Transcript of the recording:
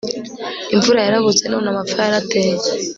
imvura yarabuze none amapfa yarateye